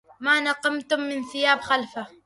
ما نقمتم من ثياب خلفة